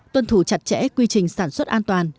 tuân thủ chặt chẽ quy trình sản xuất an toàn